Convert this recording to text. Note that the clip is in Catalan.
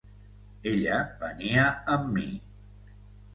Ella venia amb mi.